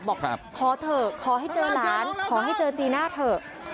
บอกขอเถอะขอให้เจอหลานขอให้เจอจีน่าเถอะ